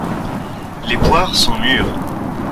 Les poires sont mûres.